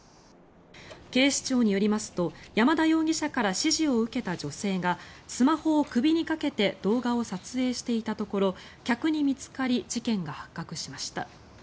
警視庁によりますと山田容疑者から指示を受けた女性がスマホを首にかけて動画を撮影していたところ客に見つかり事件が発覚しました。